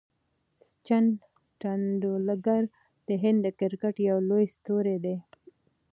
سچن ټندولکر د هند د کرکټ یو لوی ستوری دئ.